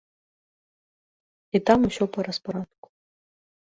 І там усё па распарадку.